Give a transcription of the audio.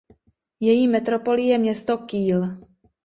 Její metropolí je město Kiel.